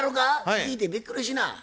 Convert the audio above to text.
聞いてびっくりしな。